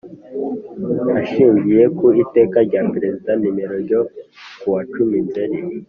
Ashingiye ku iteka rya Perezida nimero ryo ku wa cumi nzeri